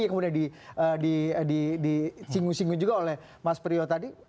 yang kemudian disinggung singgung juga oleh mas priyo tadi